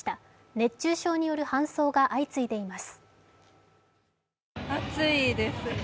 熱中症による搬送が相次いでいます。